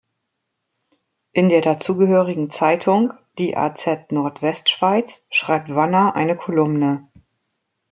In der dazugehörigen Zeitung die "az Nordwestschweiz" schreibt Wanner eine Kolumne.